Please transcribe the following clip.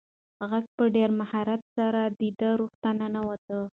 غږ په ډېر مهارت سره د ده روح ته ننووت.